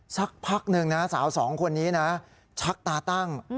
สักพักหนึ่งนะสาวสองคนนี้นะชักตาตั้ง